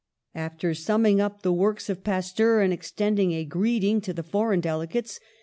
After summing up the works of Pasteur, and extending a greeting to the for eign delegates, M.